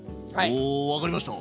おお分かりました！